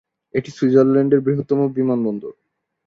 এটি সুইজারল্যান্ডের বৃহত্তম বিমানবন্দর।